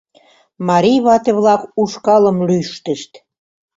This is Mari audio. Марий вате-влак ушкалым лӱштышт.